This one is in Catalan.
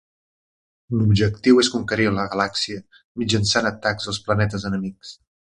L'objectiu és conquerir la galàxia mitjançant atacs als planetes enemics.